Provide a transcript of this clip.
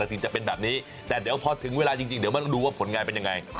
แต่ละทีมจะเป็นแบบนี้แต่เดี๋ยวพอถึงเวลาจริงเดี๋ยวมาดูว่าผลงานเป็นยังไง